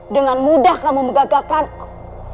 dengan mudah kamu menggagalkanku